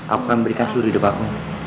aku akan berikan seluruh hidup aku